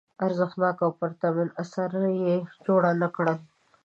ارزښتناک او پرتمین اثار یې جوړ نه کړل.